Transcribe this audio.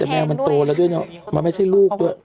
แต่แมวมันโตแล้วด้วยเนอะมันไม่ใช่ลูกด้วย